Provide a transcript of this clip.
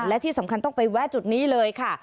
และที่สำคัญต้องไปแวะจุดนี้เลยค่ะ